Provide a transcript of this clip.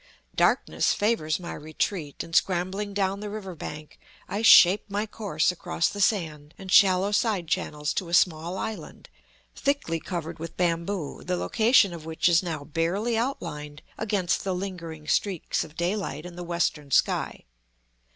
Darkness favors my retreat, and scrambling down the river bank, I shape my course across the sand and shallow side channels to a small island, thickly covered with bamboo, the location of which is now barely outlined against the lingering streaks of daylight in the western sky.